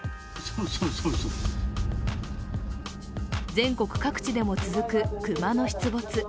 全国各地でも続く熊の出没。